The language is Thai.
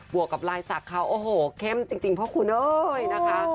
บวกกับลายสักเข้าโอ้โฮเข้มจริงพ่อคุณนะค่ะ